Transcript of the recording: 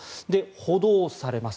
補導されます。